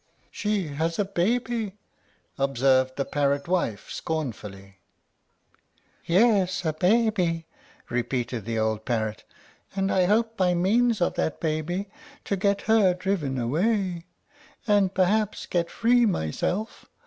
"She has a baby," observed the parrot wife, scornfully. "Yes, a baby," repeated the old parrot; "and I hope by means of that baby to get her driven away, and perhaps get free myself.